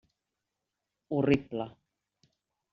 Horrible.